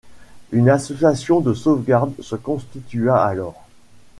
Une association de sauvegarde se constitua alors.